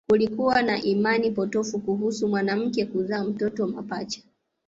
Kulikuwa na imani potofu kuhusu mwanamke kuzaa watoto mapacha